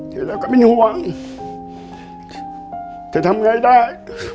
อยู่แล้วก็เป็นห่วงจะทำไงได้